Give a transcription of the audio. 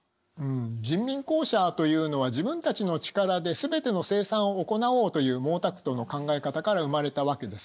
人民公社というのは自分たちの力で全ての生産を行おうという毛沢東の考え方から生まれたわけです。